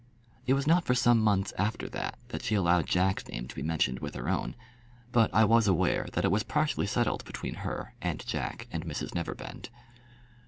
It was not for some months after that, that she allowed Jack's name to be mentioned with her own; but I was aware that it was partly settled between her and Jack and Mrs Neverbend.